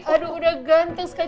aduh udah ganteng sekali